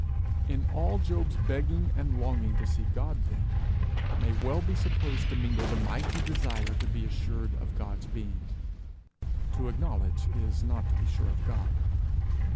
In all Job's begging and longing to see God, then, may well be supposed to mingle the mighty desire to be assured of God's being. To acknowledge is not to be sure of God.